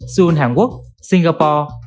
seoul hàn quốc singapore